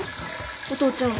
お父ちゃん。